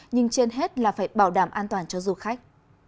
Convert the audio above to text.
nhưng trên hết là phải bảo đảm an toàn cho du khách